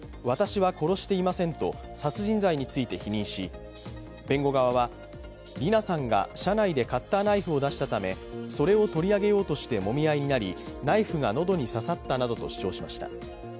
私は殺していませんと殺人罪について否認し弁護側は、理奈さんが車内でカッターナイフを出したためそれを取り上げようとしてもみ合いになりナイフが喉に刺さったなどと主張しました。